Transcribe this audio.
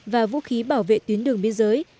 và vũ khí bảo vệ tuyến đường biên giới